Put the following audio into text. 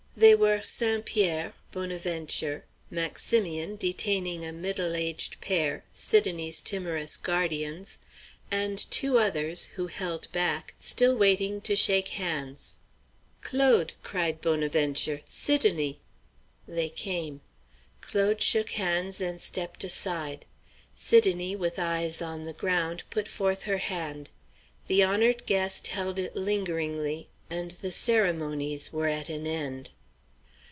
They were St. Pierre, Bonaventure, Maximian detaining a middle aged pair, Sidonie's timorous guardians, and two others, who held back, still waiting to shake hands. "Claude," cried Bonaventure; "Sidonie." They came. Claude shook hands and stepped inside. Sidonie, with eyes on the ground, put forth her hand. The honored guest held it lingeringly, and the ceremonies were at an end.